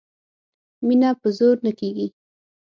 مینه په زور نه کېږي